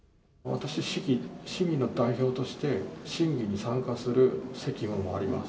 私、市民の代表として、審議に参加する責務もあります。